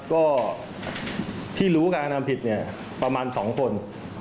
ก็ที่รู้การทำผิดเนี่ยประมาณ๒คน